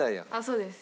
そうです。